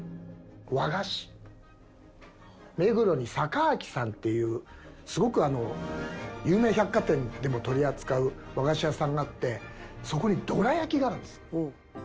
目黒にさか昭さんっていうすごくあの有名百貨店でも取り扱う和菓子屋さんがあってそこにどら焼きがあるんです。